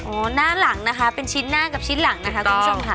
หน้าหลังนะคะเป็นชิ้นหน้ากับชิ้นหลังนะคะคุณผู้ชมค่ะ